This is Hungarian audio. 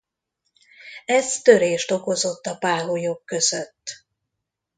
Ez törést okozott a páholyok között.